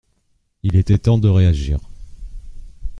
Il était temps de réagir.